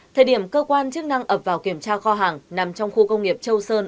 thời điểm cơ quan chức năng ập vào kiểm tra kho hàng nằm trong khu công nghiệp châu sơn